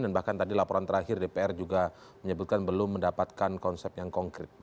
dan bahkan tadi laporan terakhir dpr juga menyebutkan belum mendapatkan konsep yang konkret